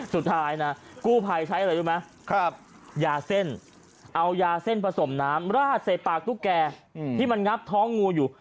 สุดท้ายนะกู้ภัยใช้อะไรรู้ไหมยาเส้นเอายาเส้นผสมน้ำราดใส่ปากตุ๊กแกที่มันงับท้องงูอยู่